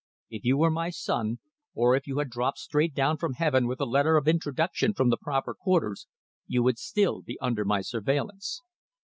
If you were my son, or if you had dropped straight down from Heaven with a letter of introduction from the proper quarters, you would still be under my surveillance."